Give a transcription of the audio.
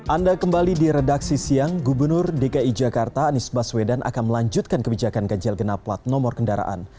anda kembali di redaksi siang gubernur dki jakarta anies baswedan akan melanjutkan kebijakan ganjil genap plat nomor kendaraan